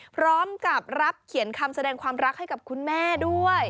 พร้อมกับรับเขียนคำแสดงความรักให้กับคุณแม่ด้วย